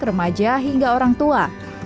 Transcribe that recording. remaja hingga orang tua